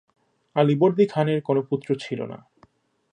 আলীবর্দী খানের কোন পুত্র ছিল না।